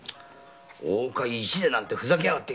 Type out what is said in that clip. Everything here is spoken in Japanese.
大岡“一善”なんてふざけやがって。